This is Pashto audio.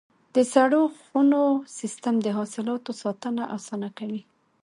د سړو خونو سیستم د حاصلاتو ساتنه اسانه کوي.